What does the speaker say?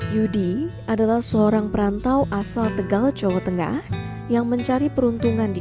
yudi adalah seorang perantau asal tegal jawa tengah yang mencari peruntungan di